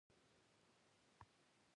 • لور د پلار سترګو ته رڼا ورکوي.